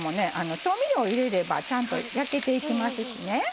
調味料を入れればちゃんと焼けていきますしね。